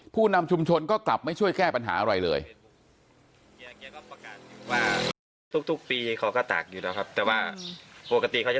ผู้นำชุมชนก็กลับไม่ช่วยแก้ปัญหาอะไรเลย